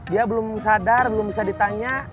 dia belum sadar belum bisa ditanya